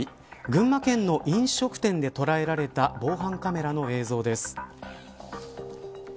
群馬県の飲食店で捉えられた防犯カメラの映像です。